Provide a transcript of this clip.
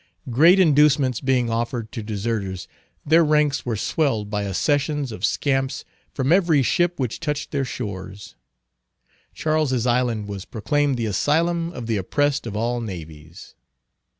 Great inducements being offered to deserters, their ranks were swelled by accessions of scamps from every ship which touched their shores. Charles's Island was proclaimed the asylum of the oppressed of all navies.